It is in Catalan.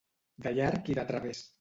De llarg i de través.